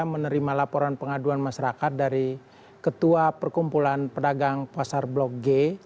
menerima laporan pengaduan masyarakat dari ketua perkumpulan pedagang pasar blok g